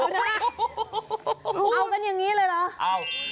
เดี๋ยวนะคุณเอากันอย่างนี้เลยเหรอ